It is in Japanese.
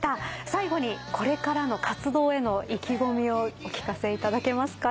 最後にこれからの活動への意気込みをお聞かせいただけますか？